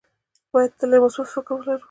باید تل یو مثبت فکر ولره.